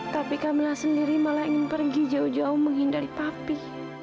tapi kamilah sendiri malah ingin pergi jauh jauh menghindari papi